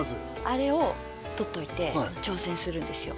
あれを取っといて挑戦するんですよ